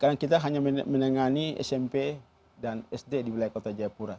karena kita hanya menangani smp dan sd di wilayah kota jayapura